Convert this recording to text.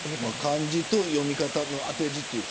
漢字と読み方の当て字という。